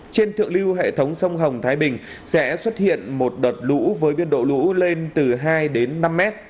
trên thượng lưu hệ thống sông hồng thái bình sẽ xuất hiện một đợt lũ với biên độ lũ lên từ hai đến năm mét